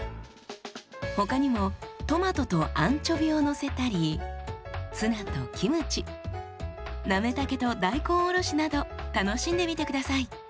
他にもトマトとアンチョビをのせたりツナとキムチなめたけと大根おろしなど楽しんでみて下さい。